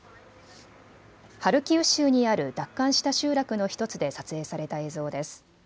ハルキウ州にある奪還した集落の１つで撮影された映像です。